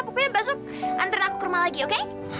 pokoknya masuk antren aku ke rumah lagi oke